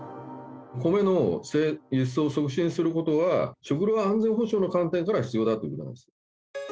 コメの輸出を促進することは、食料安全保障の観点から必要だということなんです。